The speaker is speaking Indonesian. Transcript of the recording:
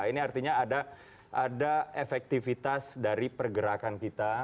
ini artinya ada efektivitas dari pergerakan kita